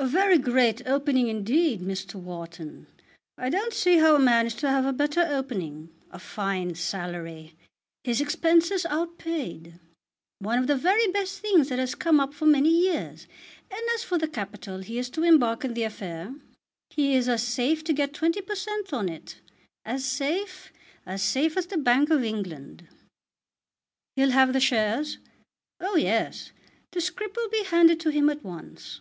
"A very great opening indeed, Mr. Wharton. I don't see how a man is to have a better opening. A fine salary! His expenses out paid! One of the very best things that has come up for many years! And as for the capital he is to embark in the affair, he is as safe to get 20 per cent. on it, as safe, as safe as the Bank of England." "He'll have the shares?" "Oh yes; the scrip will be handed to him at once."